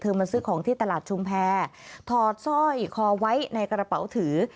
มาซื้อของที่ตลาดชุมแพรถอดสร้อยคอไว้ในกระเป๋าถือ